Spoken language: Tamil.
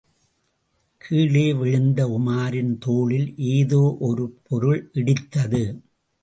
கீழே விழுந்த உமாரின் தோளில் ஏதோ ஒரு பொருள் இடித்தது.